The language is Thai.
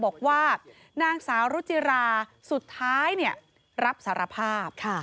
บอกว่านางสาวรุจิราสุดท้ายรับสารภาพ